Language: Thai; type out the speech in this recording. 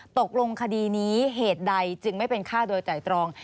ตกลงคดีนี้เหตุใดจึงไม่เป็นฆ่าโดยไตรตรอง